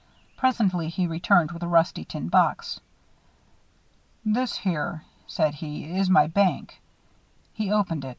Presently he returned with a rusty tin box. "This here," said he, "is my bank." He opened it.